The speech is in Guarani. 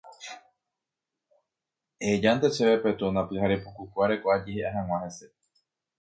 ehejánte chéve Petrona pyharepukukue areko ajehe'a hag̃ua hese.